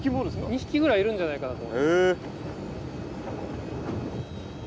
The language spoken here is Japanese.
２匹ぐらいいるんじゃないかなと。